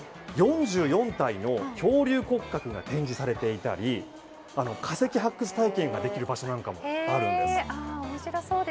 ４４体の恐竜骨格が展示されていたり化石発掘体験ができる場所もあるんです。